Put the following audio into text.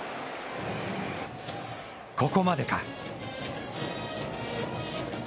ここまでか。